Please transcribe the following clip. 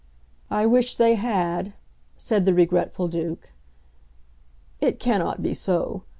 "I wish they had," said the regretful Duke. "It cannot be so.